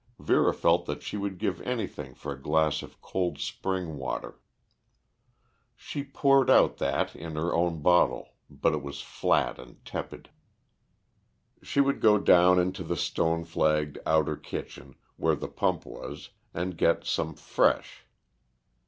Vera felt that she would give anything for a glass of cold spring water. She poured out that in her own bottle, but it was flat and tepid. She would go down into the stone flagged outer kitchen, where the pump was, and get some fresh.